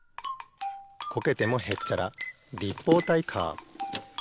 こけてもへっちゃら立方体カー。